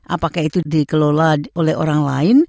apakah itu dikelola oleh orang lain